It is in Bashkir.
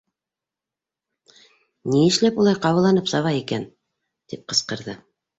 Ни эшләп улай ҡабаланып саба икән? — тип ҡысҡырҙы.